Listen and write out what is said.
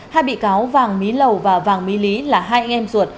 hai bị cáo vàng mí lầu và vàng mí lý là hai anh em ruột